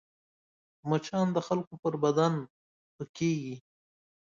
مچان د خلکو پر بدن پکېږي